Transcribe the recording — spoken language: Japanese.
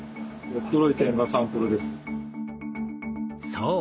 そう。